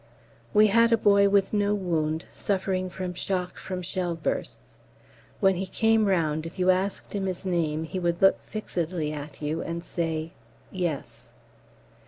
We had a boy with no wound, suffering from shock from shell bursts. When he came round, if you asked him his name he would look fixedly at you and say "Yes."